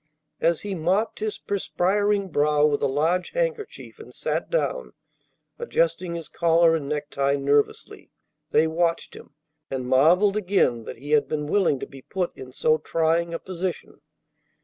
As he mopped his perspiring brow with a large handkerchief and sat down, adjusting his collar and necktie nervously, they watched him, and marvelled again that he had been willing to be put in so trying a position.